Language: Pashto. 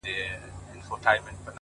زما د دواړو سترگو تورې مه ځه